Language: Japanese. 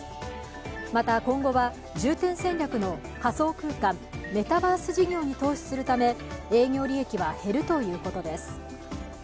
また今後は、重点戦略の仮想空間、メタバース事業に投資するため営業利益は減るということです。